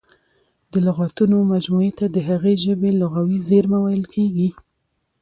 د لغاتونو مجموعې ته د هغې ژبي لغوي زېرمه ویل کیږي.